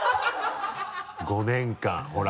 ５年間ほら。